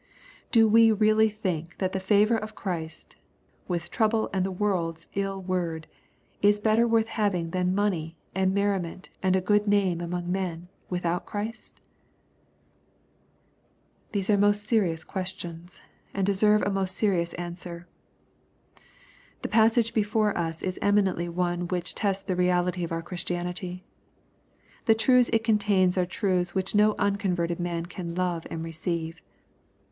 Do we really think that the favor of Christ, with trouble and the world's ill word, is better worth having than money, and merri ment^ and a good name among men, without Christ ?— These are most serious questions, and deserve a most serious answer. The passage before us is eminently one which tests the reality of our Christianity. The truths it contains, are truths which no unconverted man can love and receive.